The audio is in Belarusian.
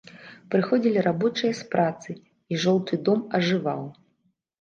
Прыходзілі рабочыя з працы, і жоўты дом ажываў.